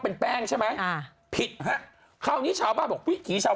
เป็นแป้งใช่ไหมอ่าผิดฮะคราวนี้ชาวบ้านบอกอุ้ยผีชาว